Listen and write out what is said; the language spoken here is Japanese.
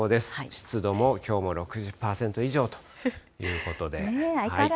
湿度もきょうも６０％以上ということで。